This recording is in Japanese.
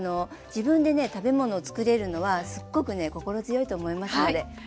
自分でね食べ物を作れるのはすっごくね心強いと思いますので。